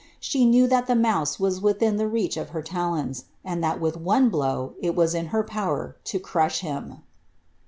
She knew that the mouse was within the reach of her talons, and that with one blow it was in her power to crush him.